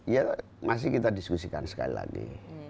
ya masih kita diskusikan sekali lagi